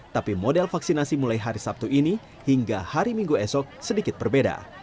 tapi model vaksinasi mulai hari sabtu ini hingga hari minggu esok sedikit berbeda